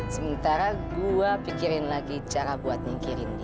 sementara gua pikirin lagi cara buat nyikirin dia